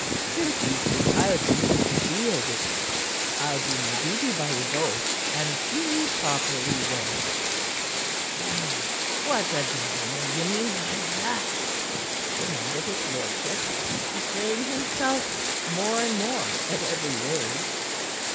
Since you've desired me to be a witness, I'll do my duty by you both and see you properly wed." "Now, what the devil may you mean by that?" demanded his lordship, betraying himself more and more at every word.